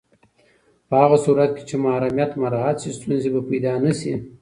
په هغه صورت کې چې محرمیت مراعت شي، ستونزې به پیدا نه شي.